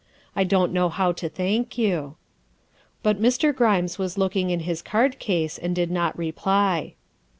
I don't know how to thank you." But Mr. Grimes was looking in his card case and did not reply.